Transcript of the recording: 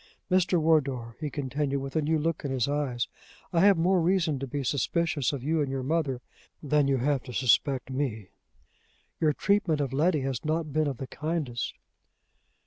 Mr. Wardour," he continued, with a new look in his eyes, "I have more reason to be suspicious of you and your mother than you have to suspect me. Your treatment of Letty has not been of the kindest."